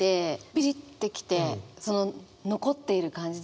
ビリッて来てその残っている感じ。